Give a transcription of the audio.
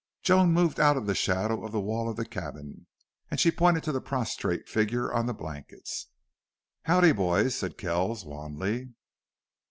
Joan moved out of the shadow of the wall of the cabin, and she pointed to the prostrate figure on the blankets. "Howdy boys!" said Kells, wanly.